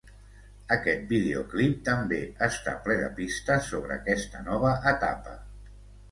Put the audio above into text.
Aquest videoclip també està ple de pistes sobre aquesta nova etapa.